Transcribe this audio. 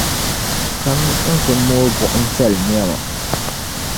Cham’ nti mooi buɣimsal’ nɛma.